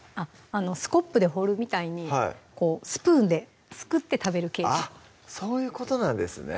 スコップで掘るみたいにこうスプーンですくって食べるケーキあっそういうことなんですね